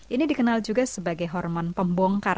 ini dikenal juga sebagai hormon pembongkar